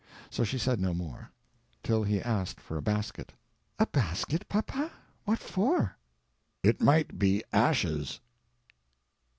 So she said no more—till he asked for a basket. "A basket, papa? What for?" "It might be ashes."